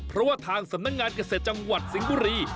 เพราะว่าทางสำนักงานเกษตรจังหวัดสิงห์บุรี